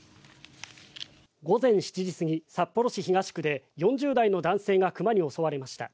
午前７時過ぎ、札幌市東区で４０代の男性が熊に襲われました。